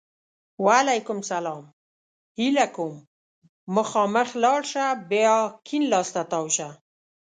وعلیکم سلام! هیله کوم! مخامخ لاړ شه! بیا کیڼ لاس ته تاو شه!